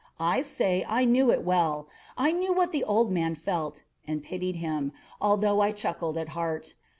I say I knew it well. I knew what the old man felt, and pitied him, although I chuckled at heart.